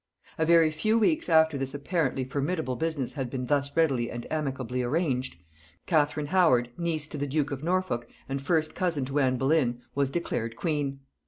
A very few weeks after this apparently formidable business had been thus readily and amicably arranged, Catherine Howard niece to the duke of Norfolk, and first cousin to Anne Boleyn, was declared queen.